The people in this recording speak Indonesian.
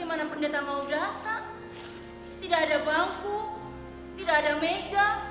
tidak ada bangku tidak ada meja